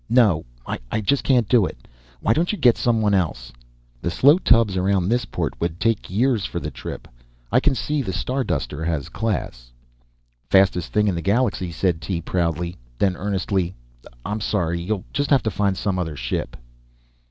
"No! I just can't do it. Why don't you get someone else?" "The slow tubs around this port would take years for the trip. I can see the Starduster has class." "Fastest thing in the galaxy," said Tee, proudly. Then earnestly, "I'm sorry, you'll just have to find some other ship."